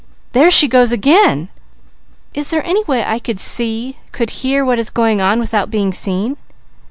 There she goes again!" "Is there any way I could see, could hear, what is going on, without being seen?"